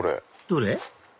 どれ？